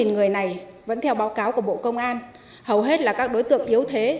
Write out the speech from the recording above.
một mươi người này vẫn theo báo cáo của bộ công an hầu hết là các đối tượng yếu thế